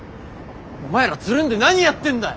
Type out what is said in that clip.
お前らつるんで何やってんだよ。